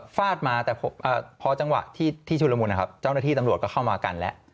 ฟาดมาแต่พอจังหวะที่ชุดละมุนนะครับเจ้าหน้าที่ตำรวจก็เข้ามากันแล้ว